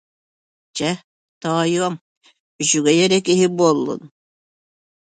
Чэ, тоойуом, үчүгэй эрэ киһи буоллун